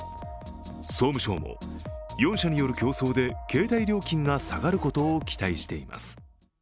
総務省も４社による競争で携帯料金が下がることを期待しています。